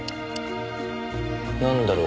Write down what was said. なんだろう？